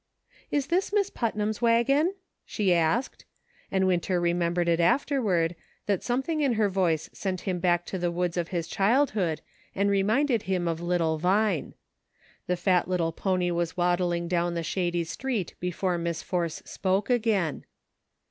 "Is this Miss Putnam's wagon .''"she asked, and Winter remembered it afterward, that some thing in her voice sent him back to the woods of I20 ENERGY AND FORCE. his childhood and reminded him of little Vine. The fat little pony was waddling down the shady street before Miss Force spoke again.